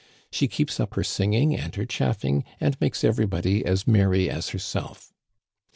She keeps up her sing ing and her chaffing, and makes everybody as merry as herself.